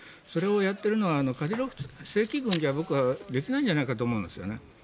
それをやっているのは正規軍では僕はできないんじゃないかと思うんですね。